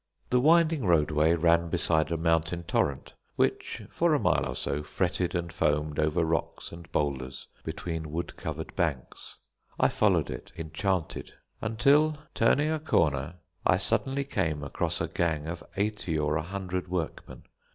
The winding roadway ran beside a mountain torrent, which for a mile or so fretted and foamed over rocks and boulders between wood covered banks. I followed it enchanted until, turning a corner, I suddenly came across a gang of eighty or a hundred workmen.